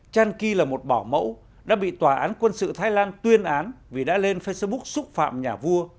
chan kỳ là một bảo mẫu đã bị tòa án quân sự thái lan tuyên án vì đã lên facebook xúc phạm nhà vua